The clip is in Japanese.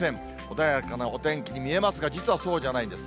穏やかなお天気に見えますが、実はそうじゃないんです。